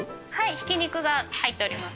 ひき肉が入っております。